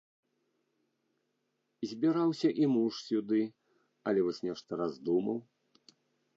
Збіраўся і муж сюды, але вось, нешта раздумаў.